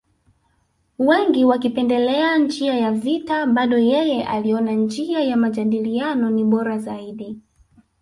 Wengi wakipendelea njia ya vita bado yeye aliona njia ya majadiliano ni bora zaidi